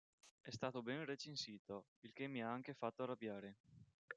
È stato ben recensito, il che mi ha anche fatto arrabbiare.